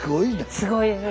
すごいね。